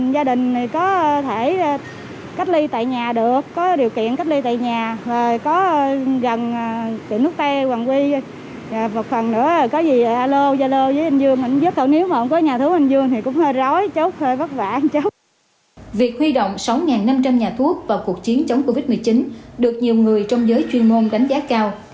việc huy động sáu năm trăm linh nhà thuốc vào cuộc chiến chống covid một mươi chín được nhiều người trong giới chuyên môn đánh giá cao